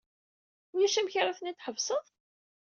Ulac amek ara ten-id-tḥebseḍ?